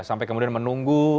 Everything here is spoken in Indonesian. sampai kemudian menunggu